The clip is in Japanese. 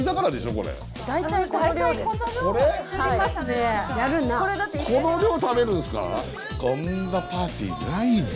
こんなパーティーないぞ。